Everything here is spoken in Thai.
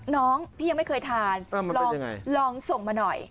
น้องพี่ยังไม่เคยทานลองส่งมาหน่อย